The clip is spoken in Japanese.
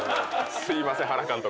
すいません原監督。